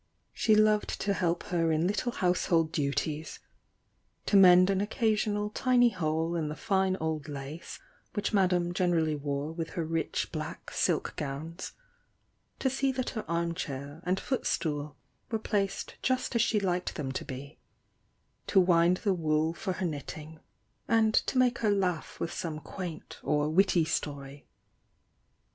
She loved to help her in little household duties, — to mend an occa sional tiny hole in the fine old lace which Madame generally wore with her rich black silk gowns, — to see that her arm chair and foot stool were placed just as she liked them to be, — to wind the wool for her knitting, and to make her laugh with some quaint or witty story.